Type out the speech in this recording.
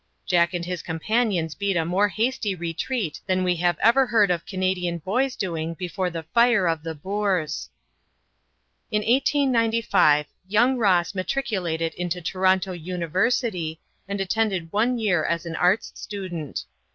Jack and his companions beat a more hasty retreat than we have ever heard of Canadian boys doing before the fire of the Boers. In 1895 young Ross matriculated into Toronto University, and attended one year as an Arts student.